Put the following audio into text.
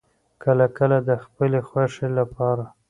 کله کله د خپلې خوښې لپاره